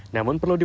namun perlu dipakai